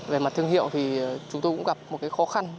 về mặt thương hiệu thì chúng tôi cũng gặp một khó khăn